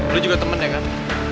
lo juga temen ya kan